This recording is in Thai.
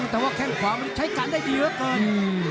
แต่ว่าแข้งขวามันใช้กันได้เยอะเกิน